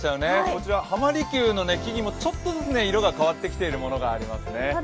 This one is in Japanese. こちら、浜離宮の木々もちょっとずつ色が変わってきているものもありますね。